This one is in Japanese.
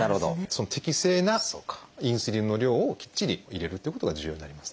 適正なインスリンの量をきっちり入れるということが重要になります。